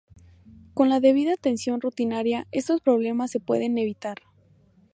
Con la debida atención rutinaria, estos problemas se pueden evitar.